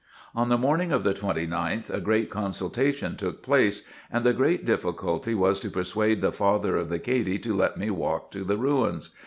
On the morning of the 29th a great consultation took place, and the great difficulty was to persuade the father of the Cady to let me walk to the ruins.